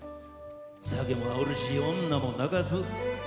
酒もあおるし、女も泣かす。